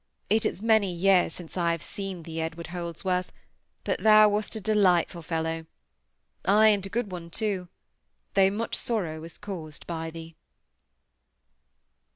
It is many years since I have seen thee, Edward Holdsworth, but thou wast a delightful fellow! Ay, and a good one too; though much sorrow was caused by thee!